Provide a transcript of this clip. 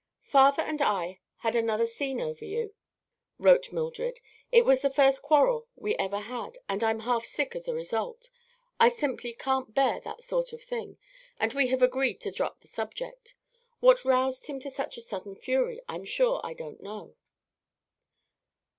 "Father and I had another scene over you," wrote Mildred. "It was the first quarrel we ever had, and I'm half sick as a result. I simply can't bear that sort of thing, and we have agreed to drop the subject. What roused him to such a sudden fury I'm sure I don't know."